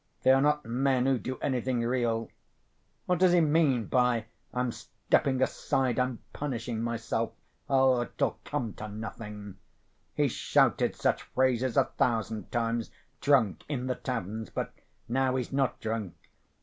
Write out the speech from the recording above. They are not men who do anything real. What does he mean by 'I'm stepping aside, I'm punishing myself?' It'll come to nothing! He's shouted such phrases a thousand times, drunk, in the taverns. But now he's not drunk.